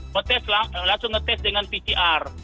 protes langsung ngetes dengan pcr